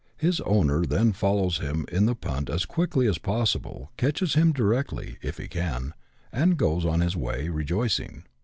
His owner then follows him in the punt as quickly as possible, catches him directly, — if he can, — and goes on his way rejoicing.